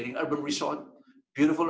yang membuat resort urban